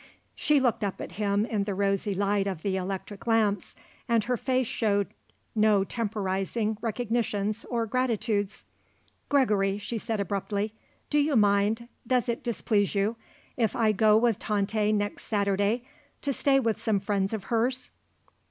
She looked up at him in the rosy light of the electric lamps and her face showed no temporizing recognitions or gratitudes. "Gregory," she said abruptly, "do you mind does it displease you if I go with Tante next Saturday to stay with some friends of hers?"